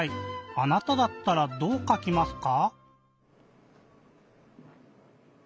あなただったらどうかきますか？